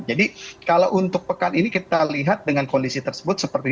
jadi kalau untuk pekan ini kita lihat dengan kondisi tersebut